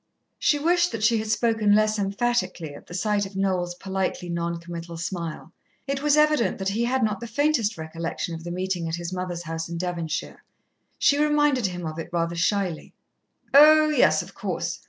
She wished that she had spoken less emphatically, at the sight of Noel's politely non committal smile. It was evident that he had not the faintest recollection of the meeting at his mother's house in Devonshire. She reminded him of it rather shyly. "Oh, yes, of course.